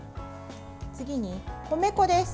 次に、米粉です。